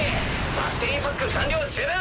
バッテリーパック残量十分。